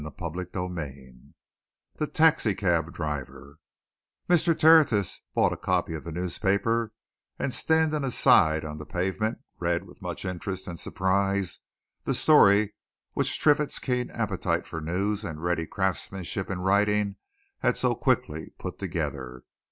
CHAPTER VI THE TAXI CAB DRIVER Mr. Tertius bought a copy of the newspaper, and standing aside on the pavement, read with much interest and surprise the story which Triffitt's keen appetite for news and ready craftsmanship in writing had so quickly put together.